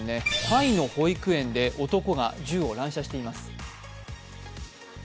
タイの保育園で男が銃を乱射しています。